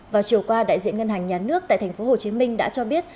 vào chiều qua đại diện ngân hàng nhà nước tại tp hcm đã cho biết